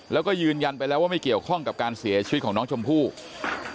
แล้วก็ยืนยันไปแล้วว่าไม่เกี่ยวข้องกับการเสียชีวิตของน้องชมพู่